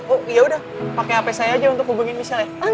oh yaudah pakai handphone saya aja untuk hubungin michelle ya